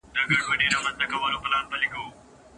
سره غوښه او چاړه سوه.